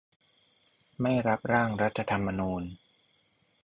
ไม่รับร่างรัฐธรรมนูญ